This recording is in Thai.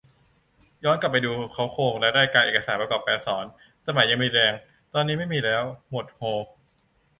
ย้อนกลับไปดูเค้าโครงและรายการเอกสารประกอบการสอน สมัยยังมีแรง ตอนนี้ไม่มีแล้ว หมด โฮ